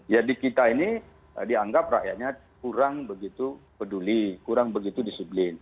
jadi kita ini dianggap rakyatnya kurang begitu peduli kurang begitu disiplin